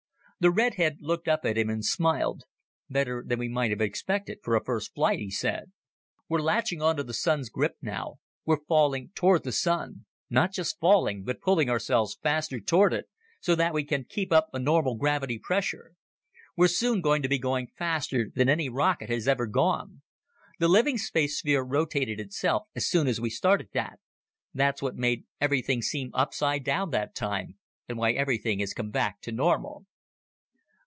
The redhead looked up at him and smiled. "Better than we might have expected for a first flight," he said. "We're latching on to the Sun's grip now. We're falling toward the Sun; not just falling, but pulling ourselves faster toward it, so that we can keep up a normal gravity pressure. We're soon going to be going faster than any rocket has ever gone. The living space sphere rotated itself as soon as we started that. That's what made everything seem upside down that time and why everything has come back to normal."